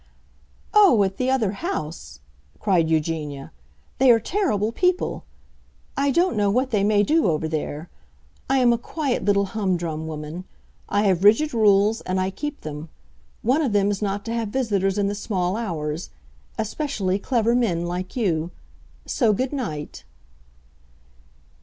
"Oh, at the other house," cried Eugenia, "they are terrible people! I don't know what they may do over there. I am a quiet little humdrum woman; I have rigid rules and I keep them. One of them is not to have visitors in the small hours—especially clever men like you. So good night!"